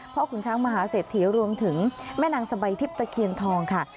ขุนช้างมหาเศรษฐีรวมถึงแม่นางสบายทิพย์ตะเคียนทองค่ะ